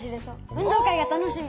運動会が楽しみ！